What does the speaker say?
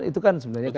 itu kan sebenarnya kan